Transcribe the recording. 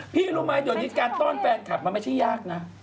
รู้ไหมเดี๋ยวนี้การต้อนแฟนคลับมันไม่ใช่ยากนะ